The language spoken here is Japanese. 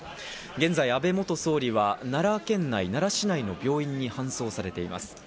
現在、安倍元総理は奈良県内、奈良市内の病院に搬送されています。